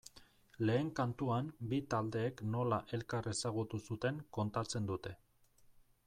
Lehen kantuan bi taldeek nola elkar ezagutu zuten kontatzen dute.